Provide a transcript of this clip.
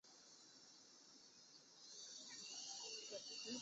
瓦拉达里什是葡萄牙波尔图区的一个堂区。